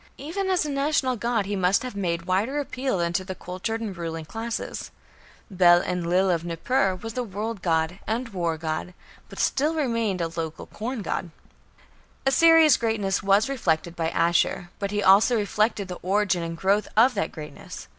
Even as a national god he must have made wider appeal than to the cultured and ruling classes. Bel Enlil of Nippur was a "world god" and war god, but still remained a local corn god. Assyria's greatness was reflected by Ashur, but he also reflected the origin and growth of that greatness.